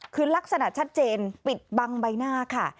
คือลักษณะชัดเจนปิดบังใบหน้าค่ะ